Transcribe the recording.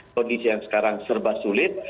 kondisi yang sekarang serba sulit